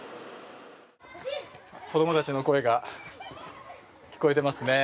子供たちの声が聞こえてますね。